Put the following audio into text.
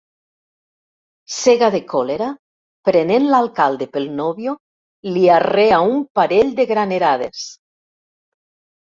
Cega de còlera, prenent l'alcalde pel nóvio, li arrea un parell de granerades.